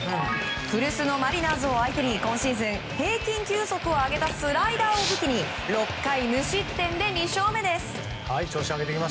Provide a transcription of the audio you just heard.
古巣のマリナーズを相手に今シーズン、平均球速を上げたスライダーを武器に６回無失点で２勝目です。